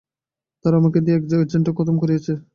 তারা আমাকে দিয়ে এক এজেন্টকে খতম করিয়েছে।